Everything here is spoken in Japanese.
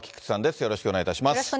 よろしくお願いします。